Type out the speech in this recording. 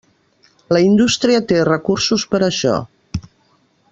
La indústria té recursos per a això.